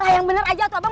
ah yang bener aja tuh abang